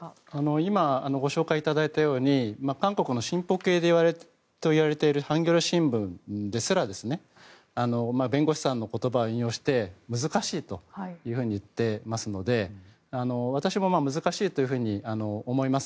今ご紹介いただいたように韓国の進歩系といわれているハンギョレ新聞ですら弁護士さんの言葉を引用して難しいと言っていますので私も難しいというふうに思います。